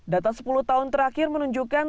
data sepuluh tahun terakhir menunjukkan